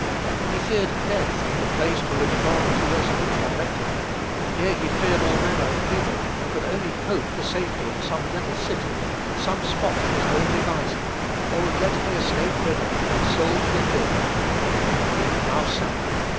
He feared death in the place to which God was mercifully directing him, yea, he feared all manner of evil, and could only hope for safety in some little city, some spot of his own devising. "Oh, let me escape thither, and my soul shall live." How sad!